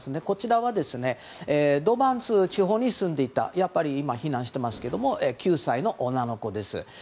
こちらはドンバス地方に住んでいた今、避難していますけど９歳の女の子です。